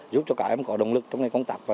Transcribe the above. giúp cho các em có động lực trong công tác và